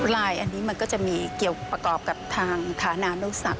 ลายอันนี้มันก็จะมีเกี่ยวประกอบกับทางฐานามลูกศักดิ